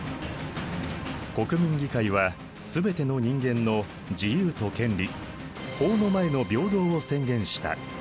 国民議会はすべての人間の自由と権利法の前の平等を宣言した。